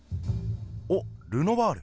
おっルノワール。